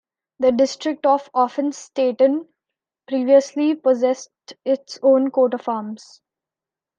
The district of Offenstetten previously possessed its own coat of arms.